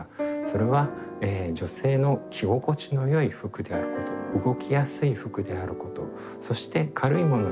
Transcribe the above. それは女性の着心地のよい服であること動きやすい服であることそして軽いものであること。